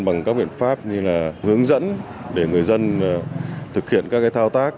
bằng các biện pháp như hướng dẫn để người dân thực hiện các thao